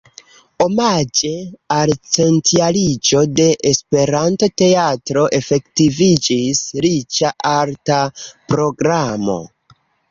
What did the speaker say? Omaĝe al centjariĝo de la Esperanto-teatro efektiviĝis riĉa arta programo.